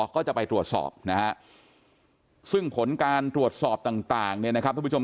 ก็จะไปตรวจสอบนะฮะซึ่งผลการตรวจสอบต่างเนี่ยนะครับทุกผู้ชม